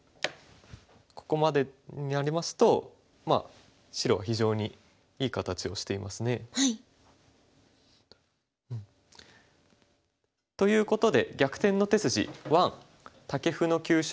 ここまでになりますとまあ白は非常にいい形をしていますね。ということで「逆転の手筋１」。